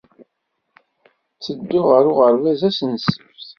Ttedduɣ ɣer uɣerbaz ass n ssebt.